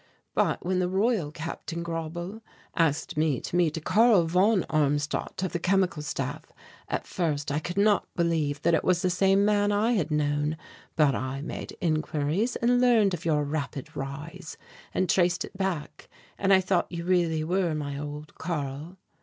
But when the Royal Captain Grauble asked me to meet a Karl von Armstadt of the Chemical Staff, at first I could not believe that it was the same man I had known, but I made inquiries and learned of your rapid rise and traced it back and I thought you really were my old Karl.